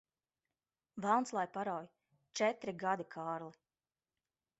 Velns lai parauj! Četri gadi, Kārli.